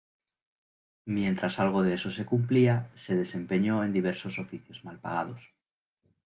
Mientras algo de eso se cumplía se desempeñó en diversos oficios mal pagados.